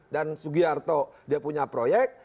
dan sugiharto dia punya proyek